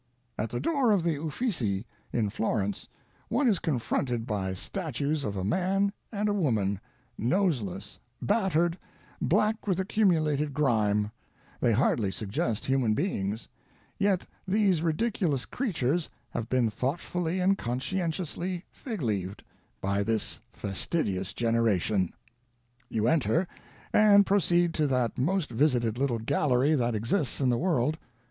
"At the door of the Ufizzi, in Florence, one is confronted by statues of a man and a woman, noseless, battered, black with accumulated grime they hardly suggest human beings yet these ridiculous creatures have been thoughtfully and conscientiously fig leaved by this fastidious generation. You enter, and proceed to that most visited little gallery that exists in the world....